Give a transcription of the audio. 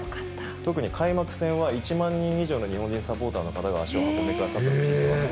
特に開幕戦は、１万人以上の日本人サポーターの方が、足を運んでくださったと聞いています。